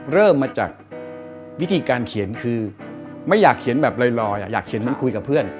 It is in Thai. เริ่มมาจากวิธีการเขียนคือไม่อยากเขียนแบบลอยอยากเขียนเหมือนคุยกับเพื่อน